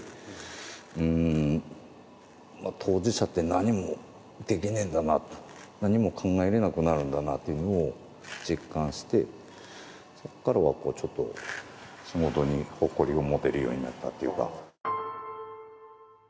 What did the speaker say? でもそれで自分の母親のときに何も考えられなくなるんだなっていうのを実感してそこからはちょっと仕事に誇りを持てるようになったっていうか。